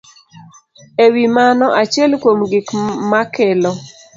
E wi mano, achiel kuom gik makelo